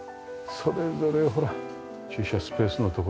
それぞれほら駐車スペースの所